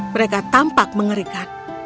mereka tampak mengerikan